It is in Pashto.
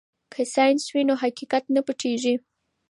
که ساینس وي نو حقیقت نه پټیږي.